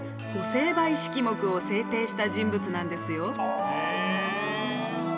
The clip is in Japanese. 成敗式目を制定した人物なんですよ。